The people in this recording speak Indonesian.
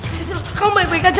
cecil kamu baik baik aja